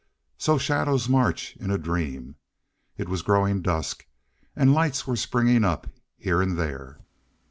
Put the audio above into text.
So shadows march in a dream. It was growing dusk, and lights were springing up here and there.